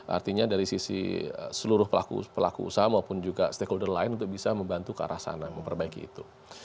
artinya dari sisi seluruh pelaku usaha maupun juga stakeholder lain untuk bisa membantu ke arah sana memperbaiki itu